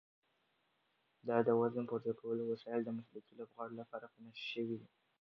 دا د وزن پورته کولو وسایل د مسلکي لوبغاړو لپاره په نښه شوي دي.